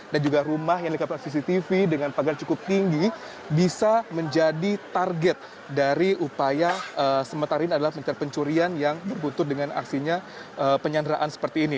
dan juga rumah yang dikapal cctv dengan pagar cukup tinggi bisa menjadi target dari upaya sementara ini adalah pencarian pencurian yang berbutuh dengan aksinya penyanderaan seperti ini